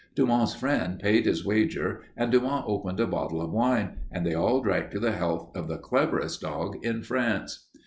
Dumont's friend paid his wager and Dumont opened a bottle of wine, and they all drank to the health of the cleverest dog in France.